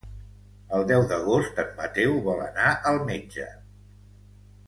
El deu d'agost en Mateu vol anar al metge.